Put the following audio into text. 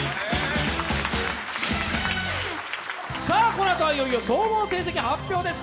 このあとはいよいよ総合成績発表です。